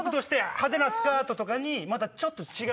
派手なスカートとかにまたちょっと違うニュアンスの。